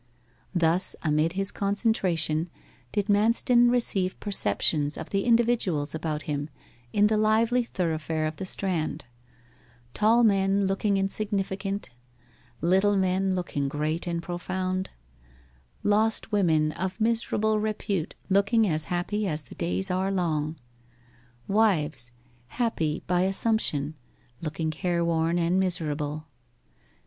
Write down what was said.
Thus, amid his concentration did Manston receive perceptions of the individuals about him in the lively thoroughfare of the Strand; tall men looking insignificant; little men looking great and profound; lost women of miserable repute looking as happy as the days are long; wives, happy by assumption, looking careworn and miserable.